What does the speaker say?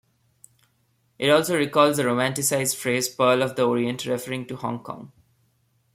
It also recalls the romanticised phrase "Pearl of the Orient" referring to Hong Kong.